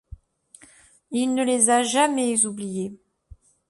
Il ne les a jamais oubliés.